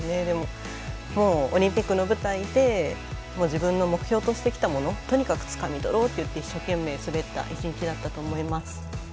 でも、もうオリンピックの舞台で自分の目標としてきたものとにかくつかみとろうとして一生懸命、滑った１日だったと思います。